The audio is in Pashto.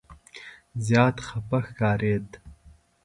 زیات خفه ښکارېد.